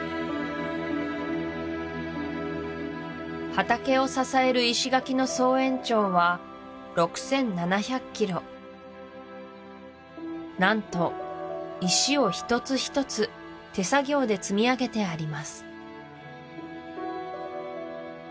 畑を支える石垣の総延長は６７００ｋｍ何と石を一つ一つ手作業で積み上げてあります